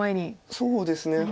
そうですね。